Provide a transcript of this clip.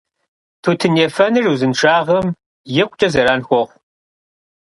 Тутын ефэныр узыншагъэм икъукӀэ зэран хуохъу.